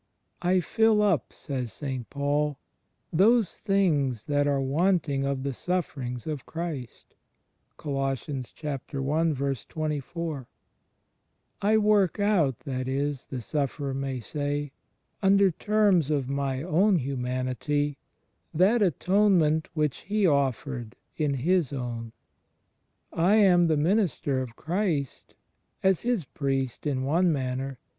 "I fill up, " says St. Paul, "those things that are wanting^of the sufferings of Christ." ^ "I work out, that is," the sufferer may say, " imder terms of my own hiunanity, that atonement which He offered in His own. I am the minister of Christ, as His priest in one manner.